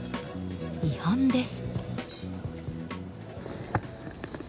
違反です。